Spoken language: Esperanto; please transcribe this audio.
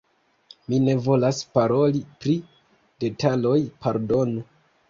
Mi ne volas paroli pri detaloj, pardonu.